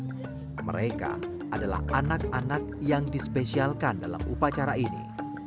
dan mereka adalah anak anak yang dispesialkan dalam upacara ini